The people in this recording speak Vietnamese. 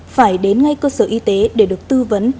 phải đến ngay cơ sở y tế để được tư vấn